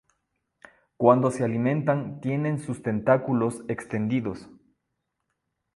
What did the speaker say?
Cuando se alimentan tienen sus tentáculos extendidos.